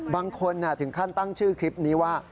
บางคนถึงขั้นตั้งชื่อคลิปนี้ว่า